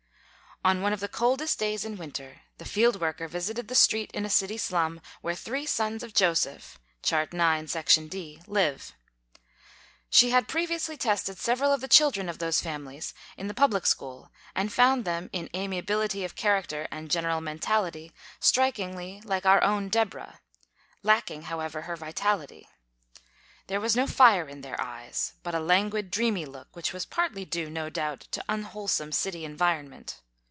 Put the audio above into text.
On one of the coldest days in winter the field worker visited the street in a city slum where three sons of Joseph (Chart IX, section D) live. She had previously tested several of the children of these families in the public school and found them, in amiability of charac ter and general mentality, strikingly like our own Deborah, lacking, however, her vitality. There was 72 THE KALLIKAK FAMILY no fire in their eyes, but a languid dreamy look, which was partly due, no doubt, to unwholesome city environ ment.